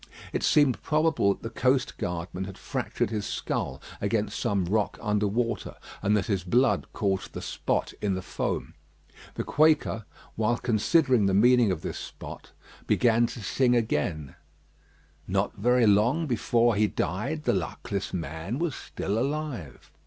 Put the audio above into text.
It seemed probable that the coast guardman had fractured his skull against some rock under water, and that his blood caused the spot in the foam. The Quaker, while considering the meaning of this spot, began to sing again: "Not very long before he died, The luckless man was still alive."